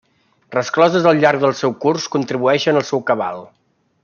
Rescloses al llarg del seu curs contribueixen al seu cabal.